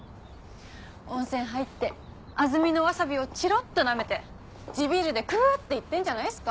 温泉入って安曇野わさびをちろっとなめて地ビールでクゥッ！っていってるんじゃないですか？